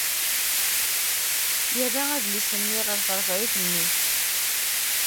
Yerra adlis-nni ɣer tṛeffit-nni.